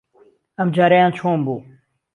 ئەمجارەیان چۆن بوو؟